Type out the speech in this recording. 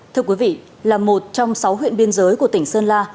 thưa quý vị là một trong sáu huyện biên giới của tỉnh sơn la